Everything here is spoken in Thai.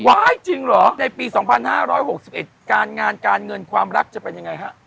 จริงเหรอในปี๒๕๖๑การงานการเงินความรักจะเป็นยังไงฮะ